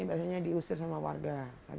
biasanya diusir sama warga